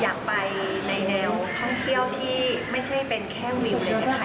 อยากไปในแนวท่องเที่ยวที่ไม่ใช่เป็นแค่วิวเลยนะคะ